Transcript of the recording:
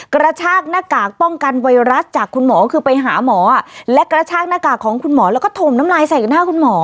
กระชากหน้ากากป้องกันไวรัสจากคุณหมอคือไปหาหมอและกระชากหน้ากากของคุณหมอแล้วก็ถมน้ำลายใส่หน้าคุณหมอ